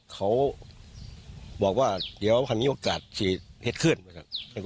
แต่ว่าก็ไม่เคยฟัง